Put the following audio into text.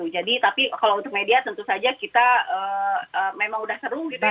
tapi kalau untuk media tentu saja kita memang udah seru gitu ya